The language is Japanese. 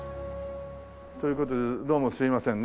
という事でどうもすいませんね。